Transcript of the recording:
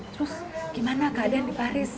terus gimana keadaan di paris